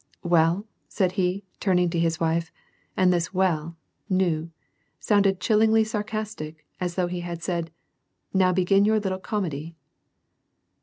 " Well ?" said he, turning to his wife, and this " well (ny) " sounded chillingly sarcastic, as though he had said, <^Now begin your little comedy."